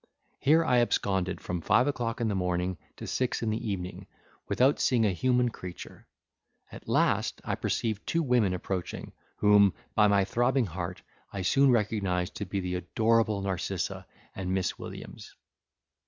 Here I absconded from five o'clock in the morning to six in the evening, without seeing a human creature; at last I perceived two women approaching, whom, by my throbbing heart, I soon recognised to be the adorable Narcissa and Miss Williams.